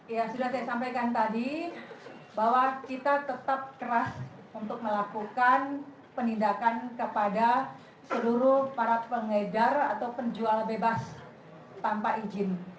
ya sudah saya sampaikan tadi bahwa kita tetap keras untuk melakukan penindakan kepada seluruh para pengedar atau penjual bebas tanpa izin